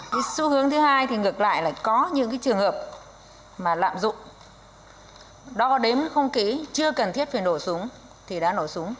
sưu hướng thứ hai thì ngược lại là có những trường hợp lạm dụng đo đếm không kỹ chưa cần thiết phải nổ súng thì đã nổ súng